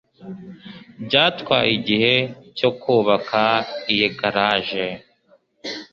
Byatwaye igihe cyo kubaka iyi garage.